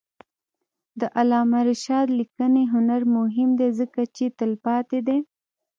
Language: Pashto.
د علامه رشاد لیکنی هنر مهم دی ځکه چې تلپاتې دی.